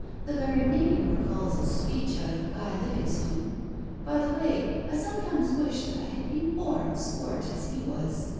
The very name recalls a speech out of 'Guy Livingstone.' By the way, I sometimes wish that I had been born swart as he was.